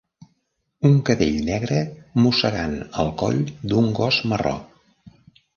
Un cadell negre mossegant el coll d'un gos marró